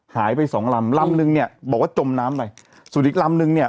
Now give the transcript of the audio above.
หายไปสองลำลำนึงเนี่ยบอกว่าจมน้ำไปส่วนอีกลำนึงเนี่ย